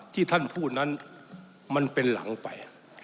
ที่ท่านพูดนั้นมันเป็นหลังไป